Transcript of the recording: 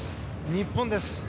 日本です。